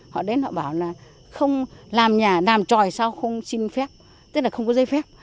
họ đến họ bảo là không làm nhà làm tròi sao không xin phép tức là không có giấy phép